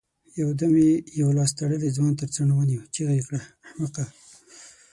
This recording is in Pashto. يودم يې يو لاس تړلی ځوان تر څڼو ونيو، چيغه يې کړه! احمقه!